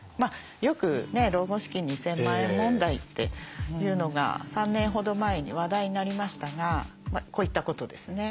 よく老後資金２，０００万円問題というのが３年ほど前に話題になりましたがこういったことですね。